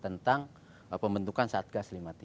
tentang pembentukan satgas lima puluh tiga